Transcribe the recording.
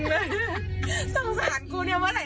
เออ